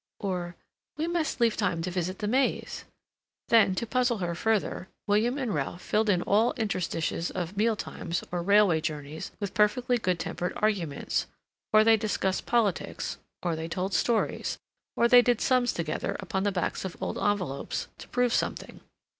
or, "We must leave time to visit the Maze." Then, to puzzle her further, William and Ralph filled in all interstices of meal times or railway journeys with perfectly good tempered arguments; or they discussed politics, or they told stories, or they did sums together upon the backs of old envelopes to prove something.